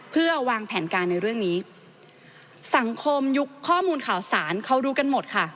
เพื่อวางแผนการในเรื่องนี้สังคมยุคข้อมูลข่าวสารเขารู้กันหมดค่ะ